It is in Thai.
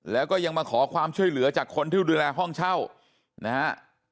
แล้วก็ยังมาขอความช่วยเหลือจากคนที่ดูแลห้องเช่านะฮะ